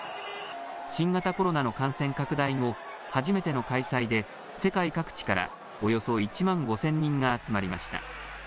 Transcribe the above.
新型コロナの感染拡大後、初めての開催で、世界各地からおよそ１万５０００人が集まりました。